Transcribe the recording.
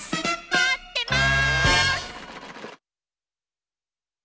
待ってます！